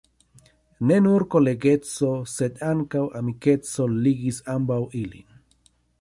Ne nur kolegeco, sed ankaŭ amikeco ligis ambaŭ ilin.